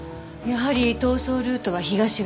やはり逃走ルートは東側。